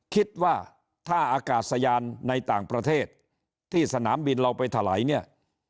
คิดว่าถ้าอากาศยานในต่างประเทศที่สนามบินเราไปถลายเนี่ย